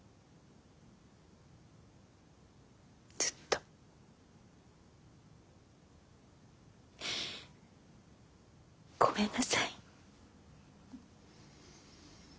ずっとごめんなさい。